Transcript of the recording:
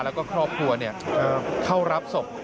แล้วก็ครอบครัวเข้ารับศพ